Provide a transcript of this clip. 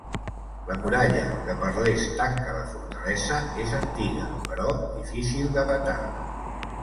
La muralla que per l'est tanca la fortalesa és antiga però difícil de datar.